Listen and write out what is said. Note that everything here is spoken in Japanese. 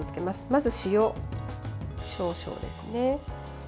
まず塩少々ですね。